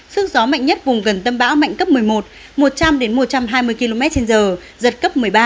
sức gió mạnh nhất vùng gần tâm bão mạnh cấp một mươi một một trăm linh một trăm hai mươi km trên giờ giật cấp một mươi ba